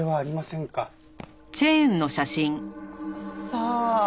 さあ。